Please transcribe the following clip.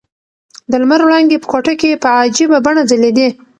د لمر وړانګې په کوټه کې په عجیبه بڼه ځلېدې.